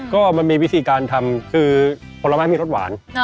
ก็มันมีวิธีการทำคือผลไม้มีรสหวาน